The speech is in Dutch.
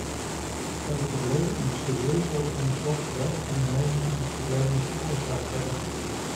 Bij problemen moet serieus worden onderzocht welke ondernemingen die problemen veroorzaakt hebben.